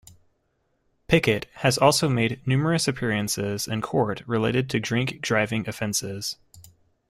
Pickett has also made numerous appearances in court related to drink-driving offences.